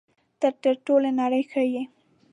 ته تر ټولې نړۍ ښه یې.